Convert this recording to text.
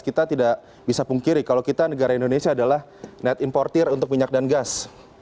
kita tidak bisa pungkiri kalau kita negara indonesia adalah net importer untuk minyak dan gas